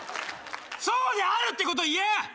「そうである」ってこと言え。